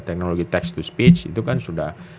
teknologi tax to speech itu kan sudah